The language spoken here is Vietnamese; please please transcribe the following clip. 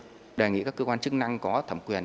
chúng tôi đề nghị các cơ quan chức năng có thẩm quyền